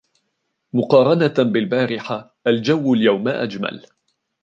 مقارنة بالبارحة الجو اليوم أجمل.